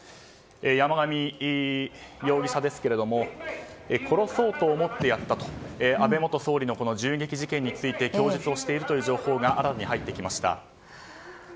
山上容疑者ですが殺そうと思ってやったと安倍元総理の銃撃事件について供述をしている情報が新たに入ってきました。